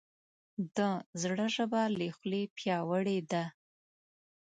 د زړه ژبه له خولې پیاوړې ده.